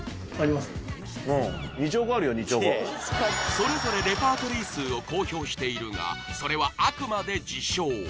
それぞれレパートリー数を公表しているがそれはあくまで自称